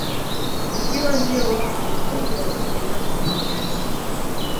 Ukiwa ndio wakfu mkubwa wa kibinafsi duniani